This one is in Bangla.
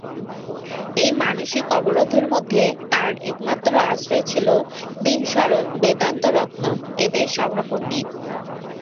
এই মানসিক অবরোধের মধ্যে তাঁর একমাত্র আশ্রয় ছিলেন দীনশরণ বেদান্তরত্ন– এঁদের সভাপণ্ডিত।